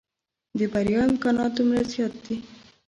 د بريا امکانات دومره زيات دي.